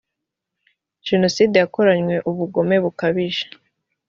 jenoside yakoranywe ubugome bukabije.